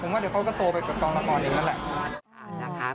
ว่าเดี๋ยวเขาก็โตไปกับกองละครเองนั่นแหละ